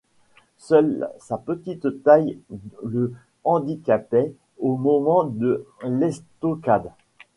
Seule sa petite taille le handicapait au moment de l’estocade.